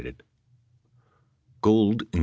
Gould, Inc.